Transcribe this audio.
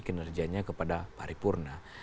kinerjanya kepada paripurna